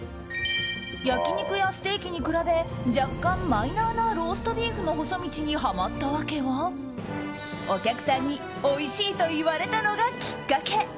焼き肉やステーキに比べ若干マイナーなローストビーフの細道にハマった訳はお客さんにおいしいと言われたのがきっかけ。